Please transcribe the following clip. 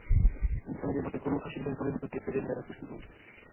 বিজ্ঞানীদের মতে, গরু-খাসির ভুঁড়ি পরিমিত খেলে শারীরে মেলে অনেক পুষ্টিগুণ।